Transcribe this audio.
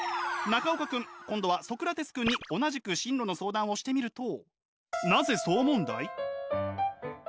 中岡君今度はソクラテス君に同じく進路の相談をしてみると。